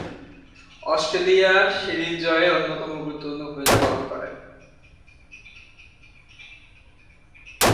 অস্ট্রেলিয়ার সিরিজ জয়ে অন্যতম গুরুত্বপূর্ণ ভূমিকা পালন করেন।